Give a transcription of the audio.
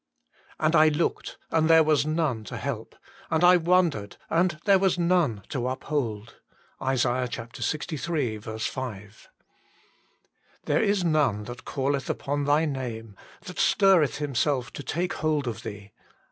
And I looked, and there was none to help ; and I wondered, and there was none to uphold. " ISA. Ixiii. 5. "There is none that calleth upon Thy name, that stirreth himself to take hold of Thee."